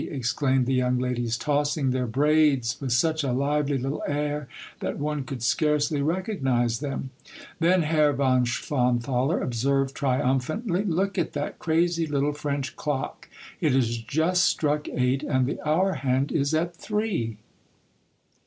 " exclaimed the young ladies, tossing their braids with such a lively little air that one could scarcely recognize them. Then Herr von Schwanthaler observed trium phantly, —" Look at that crazy little French clock ! It has just struck eight, and the hour hand is at three."